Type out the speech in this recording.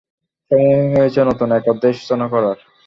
সময় হয়েছে নতুন এক অধ্যায়ের সূচনা করার।